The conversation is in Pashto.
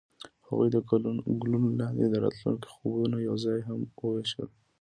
هغوی د ګلونه لاندې د راتلونکي خوبونه یوځای هم وویشل.